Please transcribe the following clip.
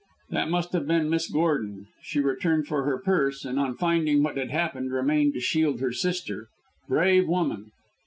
"That must have been Miss Gordon. She returned for her purse, and on finding what had happened, remained to shield her sister. Brave woman!"